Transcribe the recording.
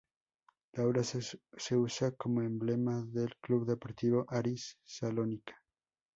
La obra se usa como emblema del club deportivo Aris Salónica.